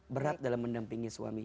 berat dalam mendampingi suaminya